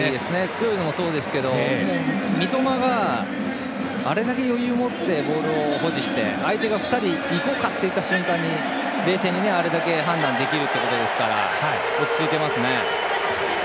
強いのもそうですけど三笘があれだけ余裕を持ってボールを保持して相手が２人いこうかという瞬間に冷静にあれだけ判断できるということですから落ち着いていますね。